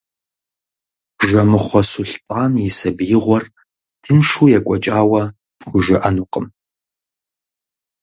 Жэмыхъуэ Сулътӏан и сабиигъуэр тыншу екӏуэкӏауэ пхужыӏэнукъым.